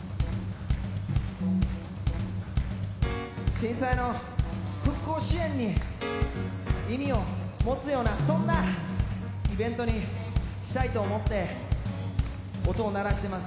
震災の復興支援に意味を持つようなそんなイベントにしたいと思って音を鳴らしてます。